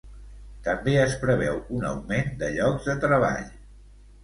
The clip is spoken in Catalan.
També es preveu un augment de llocs de treball.